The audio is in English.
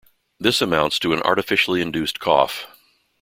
This amounts to an artificially induced cough.